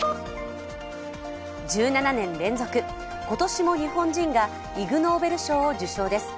１７年連続、今年も日本人がイグ・ノーベル賞を受賞です。